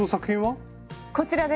こちらです！